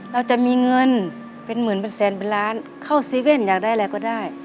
เราจะมีเงินเป็นหมื่นเป็นแสนเป็นล้านเข้าซีเว่นอยากได้อะไรก็ได้